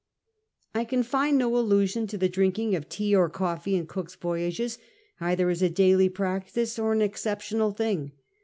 I can find no allusion to the drinking of tea or coffee in Cook's Voyages either as a daily practice or an exceptional thing.